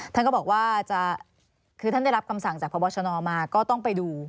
ท่านก็บอกว่าจะคือท่านได้รับคำสั่งจากพบชนมาก็ต้องไปดู